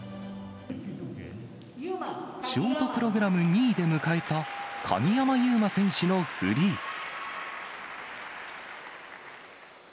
ショートプログラム２位で迎えた、鍵山優真選手のフリー。